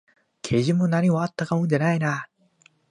基準も何もあったもんじゃないな